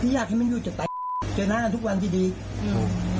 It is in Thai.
พี่อยากให้มันอยู่จากเจอหน้าทุกวันที่ดีอืม